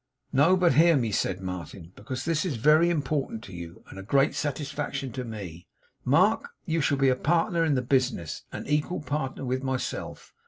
'No, but hear me,' said Martin, 'because this is very important to you, and a great satisfaction to me. Mark, you shall be a partner in the business; an equal partner with myself.